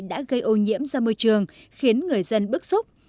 đã gây ô nhiễm ra môi trường khiến người dân bức xúc